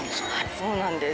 そうなんです。